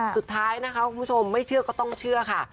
สุดท้ายนะคะคุณผู้ชมไม่เชื่อก็ต้องเชื่อค่ะ